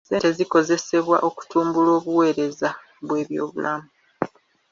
Ssente zikozesebwa okutumbula obuweereza bw'ebyobulamu.